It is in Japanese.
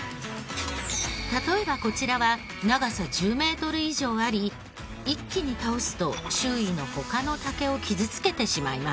例えばこちらは長さ１０メートル以上あり一気に倒すと周囲の他の竹を傷つけてしまいます。